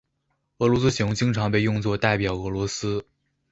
俄罗斯熊经常被用作代表俄罗斯。